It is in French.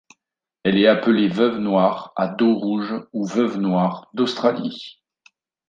Elle est appelée Veuve noire à dos rouge ou Veuve noire d'Australie.